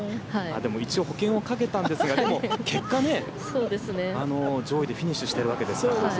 でも一応保険をかけたんですがでも結果、いい位置でフィニッシュしているわけですから。